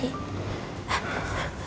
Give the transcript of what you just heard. neneng ikut kan